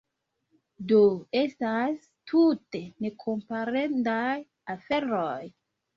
Do, estas tute nekomparendaj aferoj.